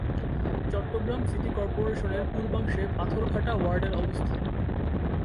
Chittagong city কর্পোরেশনের পূর্বাংশে পাথরঘাটা ওয়ার্ডের অবস্থান।